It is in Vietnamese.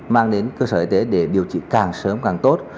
mang đến cơ sở y tế để điều trị càng sớm càng tốt